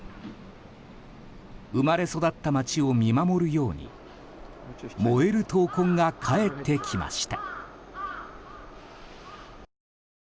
生まれ育った街を見守るように燃える闘魂が帰ってきました。